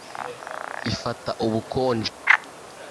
Ifata ubukonje